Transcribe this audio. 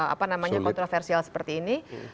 apa namanya kontroversial seperti ini